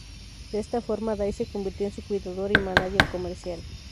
De esta forma, Day se convirtió en su cuidador y "manager" comercial.